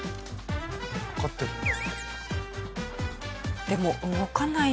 わかってるんだ。